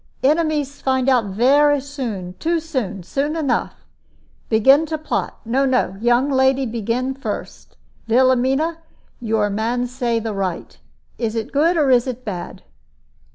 "Enemies find out vere soon, too soon, soon enough. Begin to plot no, no, young lady begin first. Vilhelmina, your man say the right. Is it good, or is it bad?"